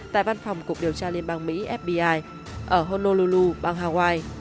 tại văn phòng cục điều tra liên bang mỹ fbi ở honoulu bang hawaii